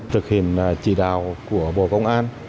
thực hiện chỉ đạo của bộ công an